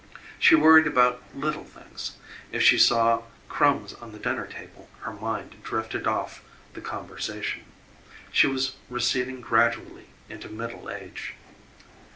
She worried about little things if she saw crumbs on the dinner table her mind drifted off the conversation: she was receding gradually into middle age.